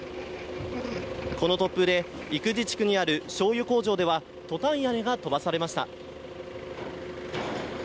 この突風で、生地地区にあるしょうゆ工場では、トタン屋根が飛ばされました。